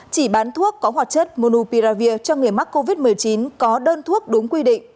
chỉ bán thuốc có hoạt chất monupiravir cho người mắc covid một mươi chín có đơn thuốc đúng quy định